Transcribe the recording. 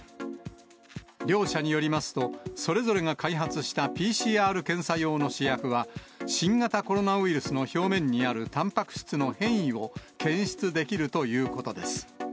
両社によりますと、それぞれが開発したＰＣＲ検査用の試薬は、新型コロナウイルスの表面にあるたんぱく質の変異を検出できるということです。